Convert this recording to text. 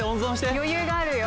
余裕があるよ。